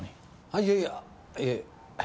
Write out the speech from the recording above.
あいやいやいえ